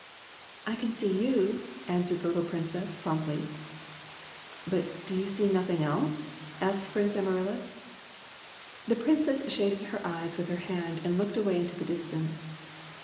" I can see you," answered the little Princess, promptly. " But do you see nothing else ?" asked Prince Amaryllis. The Princess shaded her eyes with her hand and looked away into the distance.